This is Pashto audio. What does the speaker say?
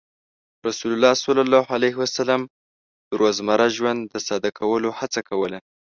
رسول الله صلى الله عليه وسلم د روزمره ژوند د ساده کولو هڅه کوله.